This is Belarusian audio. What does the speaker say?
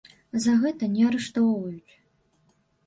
За гэта не арыштоўваюць.